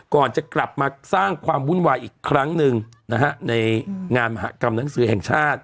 ก่อนจะกลับมาสร้างความวุ่นวายอีกครั้งหนึ่งนะฮะในงานมหากรรมหนังสือแห่งชาติ